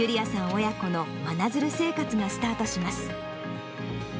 親子の真鶴生活がスタートします。